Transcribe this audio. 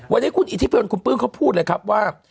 วันนี้คุณอิทธิพลคุณปลื้มเขาพูดเลยครับว่า